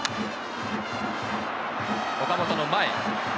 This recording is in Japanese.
岡本の前。